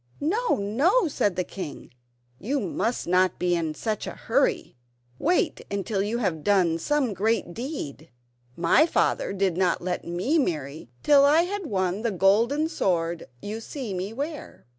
"No, no!" said the king; "you must not be in such a hurry. Wait till you have done some great deed. My father did not let me marry till I had won the golden sword you see me wear."